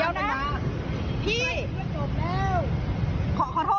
ขอโทษนะคะเสียเวลา